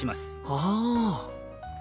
ああ。